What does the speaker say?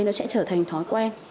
nó sẽ trở thành thói quen